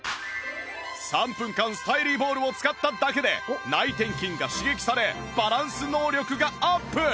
３分間スタイリーボールを使っただけで内転筋が刺激されバランス能力がアップ！